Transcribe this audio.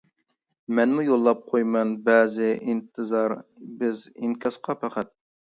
مەنمۇ يوللاپ قويىمەن بەزى، ئىنتىزار بىز ئىنكاسقا پەقەت.